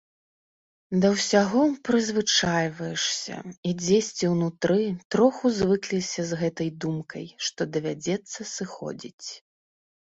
Да ўсяго прызвычайваешся і дзесьці ўнутры троху звыкліся з гэтай думкай, што давядзецца сыходзіць.